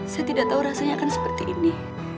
saya tidak tahu rasanya akan seperti ini